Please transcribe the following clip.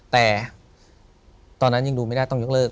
แต่ตอนนั้นยังดูไม่ได้ต้องยกเลิก